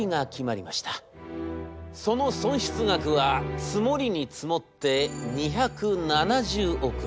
その損失額は積もりに積もって２７０億円。